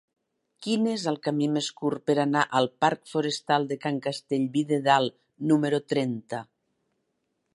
Quin és el camí més curt per anar al parc Forestal de Can Castellví de Dalt número trenta?